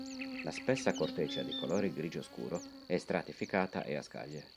La spessa corteccia di colore grigio scuro è stratificata e a scaglie.